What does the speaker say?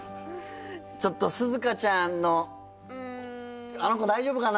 ちょっと涼香ちゃんのあの子大丈夫かな？